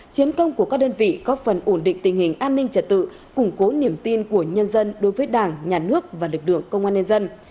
chiến công của các đơn vị góp phần ổn định tình hình an ninh trật tự củng cố niềm tin của nhân dân đối với đảng nhà nước và lực lượng công an nhân dân